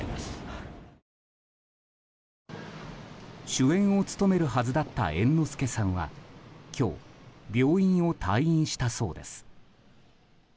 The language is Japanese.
主演を務めるはずだった猿之助さんは今日、病院を退院したそうです。